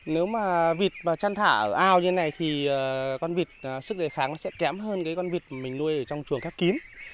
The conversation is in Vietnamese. nếu mà vịt chăn thả ở ao như thế này thì con vịt sức đề kháng sẽ kém hơn con vịt mình nuôi ở trong chuồng khác kín